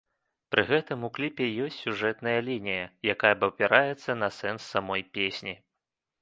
Пры гэтым у кліпе ёсць сюжэтная лінія, якая абапіраецца на сэнс самой песні.